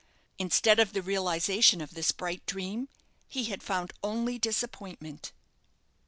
Instead of the realization of this bright dream, he had found only disappointment.